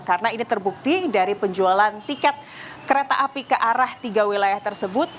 karena ini terbukti dari penjualan tiket kereta api ke arah tiga wilayah tersebut